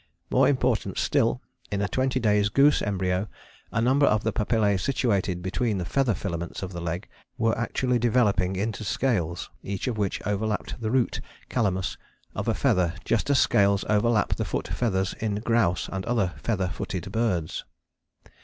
More important still, in a 20 days goose embryo a number of the papillae situated between the feather filaments of the leg were actually developing into scales each of which overlapped the root (calamus) of a feather just as scales overlap the foot feathers in grouse and other feather footed birds.